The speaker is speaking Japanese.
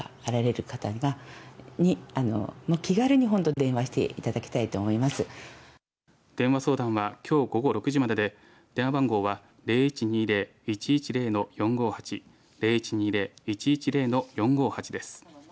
電話相談はきょう午後６時までで電話番号は０１２０‐１１０‐４５８０１２０‐１１０‐４５８です。